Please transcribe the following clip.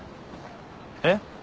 えっ？